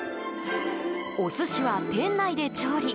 お寿司は店内で調理。